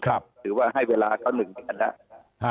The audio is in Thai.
ครับถือว่าให้เวลาเหล่านึงกันล่ะอ่า